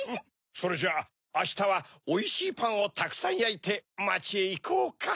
それじゃああしたはおいしいパンをたくさんやいてまちへいこうか。